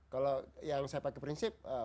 kalau yang saya pakai prinsip